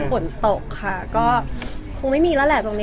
ฝนตกค่ะก็คงไม่มีแล้วแหละ